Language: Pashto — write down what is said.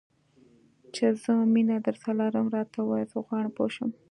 چې زه مینه درسره لرم؟ راته ووایه، زه غواړم پوه شم.